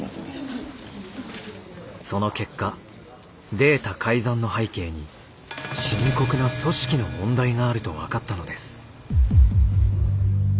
その結果データ改ざんの背景に深刻な組織の問題があると分かったのです。